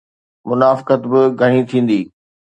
منافقت به گهڻي ٿيندي.